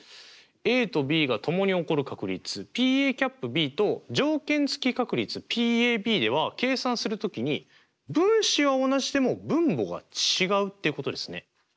ＡとＢがともに起こる確率Ｐと条件付き確率Ｐでは計算する時に分子は同じでも分母が違うってことですね。